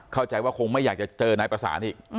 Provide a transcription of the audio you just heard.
เข้าใจว่าคงไม่อยากจะเจอนายประสานอีก